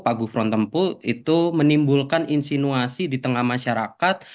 pak gufron tempuh itu menimbulkan insinuasi di tengah masyarakat